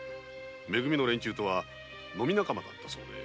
め組の連中とは飲み仲間だったそうです。